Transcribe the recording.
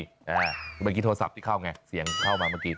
เมื่อกี้โทรศัพท์ที่เข้าไงเสียงเข้ามาเมื่อกี้